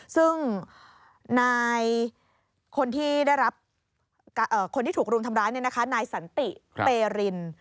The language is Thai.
ซึ่งคนที่ถูกรุงทำร้ายนี่นะคะนายสันติเปริน